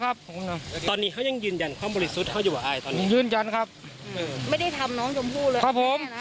สาบานได้ครับผม